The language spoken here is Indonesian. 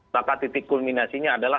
maka titik kulminasinya adalah